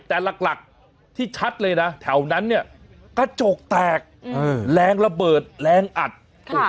แต่หลักหลักที่ชัดเลยนะแถวนั้นเนี่ยกระจกแตกแรงระเบิดแรงอัด